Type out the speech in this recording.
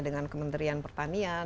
dengan kementerian pertanian